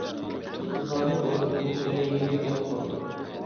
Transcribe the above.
بۇلارنى ئويلاپ ئۇ خىلى يېنىكلەپ قالدى.